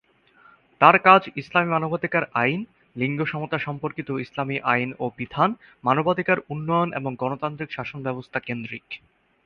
তার কাজ ইসলামি মানবাধিকার আইন, লিঙ্গ সমতা সম্পর্কিত ইসলামি আইন ও বিধান, মানবাধিকার উন্নয়ন এবং গণতান্ত্রিক শাসন ব্যবস্থা কেন্দ্রিক।